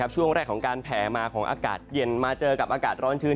ช่วงแรกของการแผ่มาของอากาศเย็นมาเจอกับอากาศร้อนชื้น